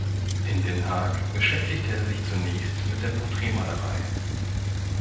In Den Haag beschäftigte er sich zunächst mit der Porträtmalerei.